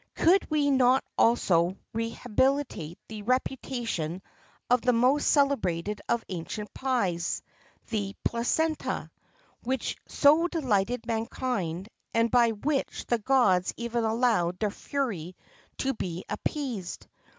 [XXIV 20] Could we not also rehabilitate the reputation of the most celebrated of ancient pies, the Placenta, which so delighted mankind, and by which the gods even allowed their fury to be appeased?